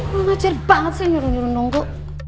lu ngajar banget sih nyuruh nyuruh nunggu